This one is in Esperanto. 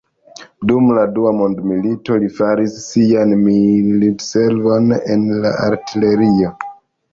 Dum la dua mondmilito, li faris sian militservon en la artilerio.